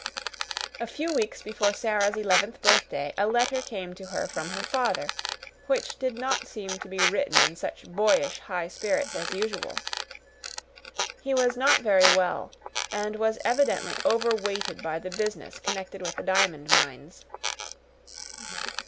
A few weeks before Sara's eleventh birthday a letter came to her from her father, which did not seem to be written in such boyish high spirits as usual. He was not very well, and was evidently overweighted by the business connected with the diamond mines.